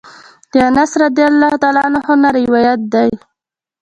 د انس رضی الله عنه نه روايت دی: